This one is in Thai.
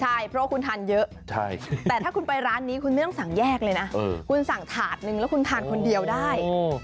ใช่เพราะว่าคุณทานเยอะแต่ถ้าคุณไปร้านนี้คุณไม่ต้องสั่งแยกเลยนะคุณสั่งถาดนึงแล้วคุณทานคนเดียวได้